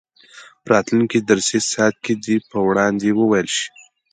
په راتلونکي درسي ساعت کې دې په وړاندې وویل شي.